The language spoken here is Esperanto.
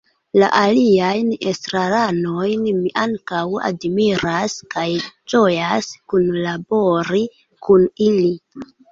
La aliajn estraranojn mi ankaŭ admiras kaj ĝojas kunlabori kun ili.